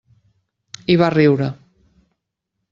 I va riure.